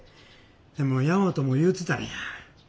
でも大和も言うてたんや。